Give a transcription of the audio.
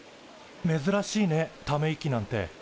めずらしいねため息なんて。